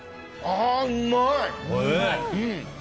ああ、うまい！